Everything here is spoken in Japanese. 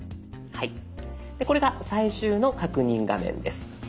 はいこれが最終の確認画面です。